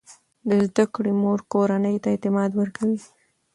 د زده کړې مور کورنۍ ته اعتماد ورکوي.